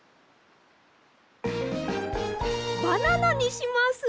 バナナにします！